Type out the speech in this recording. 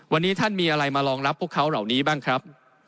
วันนี้ท่านมีอะไรมารองรับพวกเขาเหล่านี้บ้างครับ